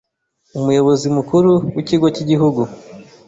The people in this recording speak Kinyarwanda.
Umuyobozi Mukuru w’Ikigo cy’Igihugu